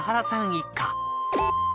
一家